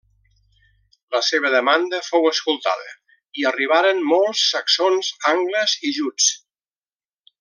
La seva demanda fou escoltada i arribaren molts saxons, angles i juts.